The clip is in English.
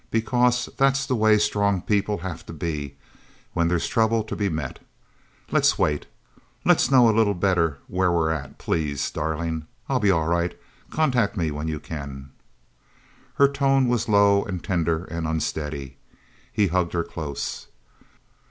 "Because that's the way strong people have to be when there's trouble to be met. Let's wait. Let's know a little better where we're at please, darling. I'll be all right. Contact me when you can..." Her tone was low and tender and unsteady. He hugged her close.